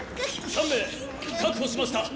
３名確保しました！